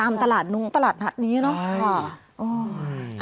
ตามตลาดนู้นตลาดถัดนี้เนอะใช่อ่าอือ